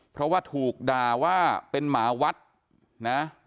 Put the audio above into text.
เพราะว่าถูกด่าว่าเป็นหมาวัดนะ